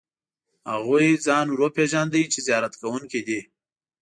هغوی ځان ور وپېژاند چې زیارت کوونکي دي.